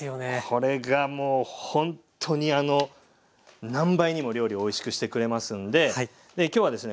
これがもうほんとに何倍にも料理おいしくしてくれますんで今日はですね